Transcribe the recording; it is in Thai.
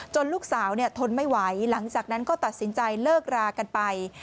ลูกสาวทนไม่ไหวหลังจากนั้นก็ตัดสินใจเลิกรากันไป